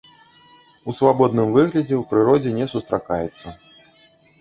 У свабодным выглядзе ў прыродзе не сустракаецца.